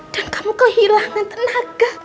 dan kamu kehilangan tenaga